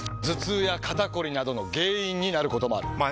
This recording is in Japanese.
頭痛や肩こりなどの原因になることもある。